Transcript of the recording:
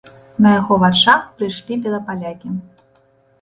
На яго вачах прыйшлі белапалякі.